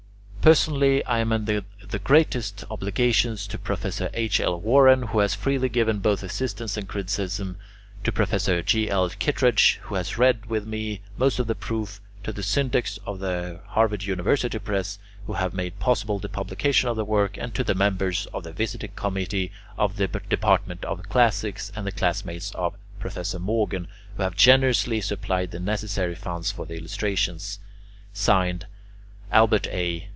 Personally I am under the greatest obligations to Professor H. L. Warren, who has freely given both assistance and criticism; to Professor G. L. Kittredge, who has read with me most of the proof; to the Syndics of the Harvard University Press, who have made possible the publication of the work; and to the members of the Visiting Committee of the Department of the Classics and the classmates of Professor Morgan, who have generously supplied the necessary funds for the illustrations. ALBERT A.